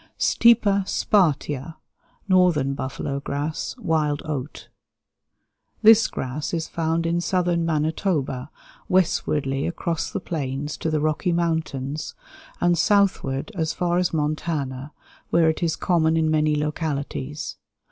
Stipa spartea (Northern buffalo grass; wild oat). This grass is found in southern Manitoba, westwardly across the plains to the Rocky Mountains, and southward as far as Montana, where it is common in many localities.